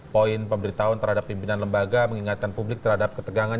poin pemberitahuan terhadap pimpinan lembaga mengingatkan publik terhadap ketegangan